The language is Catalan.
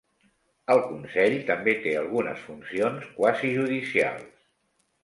El consell també té algunes funcions quasi judicials.